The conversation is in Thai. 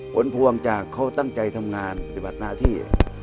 ผลพวงจากเขาตั้งใจทำงานปฏิบัติหน้าที่